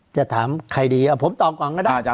จะถามใครดีผมตอบก่อนก็ได้